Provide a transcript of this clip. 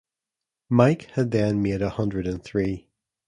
Mike had then made a hundred and three.